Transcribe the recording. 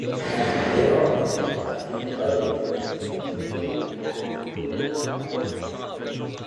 Little attention has been devoted to consumers and their eating habits, behaviors and awareness.